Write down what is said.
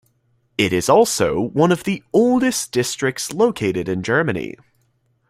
It is also one of the oldest districts located in Germany.